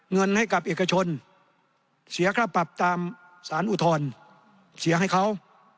เงินให้กับเอกชนเสียค่าปรับตามสารอุทธรณ์เสียให้เขา